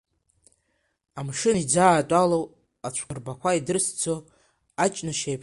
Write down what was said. Амшын иӡаатәалоу, ацәқәырԥақәа идырӡсо аҷныш еиԥш!